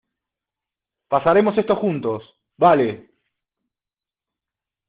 pasaremos esto juntos. vale .